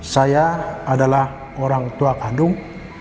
saya adalah orang tua kandung